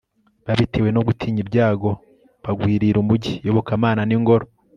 babitewe no gutinya ibyago byagwirira umugi, iyobokamana, n'ingoro